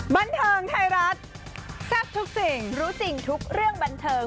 บันเทิงไทยรัฐแซ่บทุกสิ่งรู้จริงทุกเรื่องบันเทิง